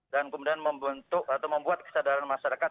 dan kemudian membentuk atau membuat kesadaran masyarakat